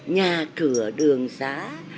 nhà cửa đường xã